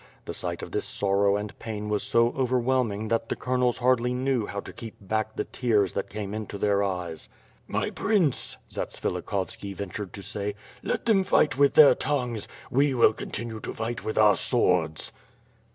The sight of this sorrow and pain was so overwhelming that the colonels hardly knew how to keep back the tears that came into their eyes. '*My Prince/' Zatsvilikhovski ventured to say, "let them light with their tongues, we will continue to fight with our swords.'